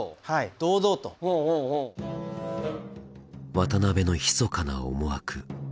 渡辺のひそかな思惑。